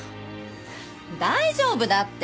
大丈夫だって。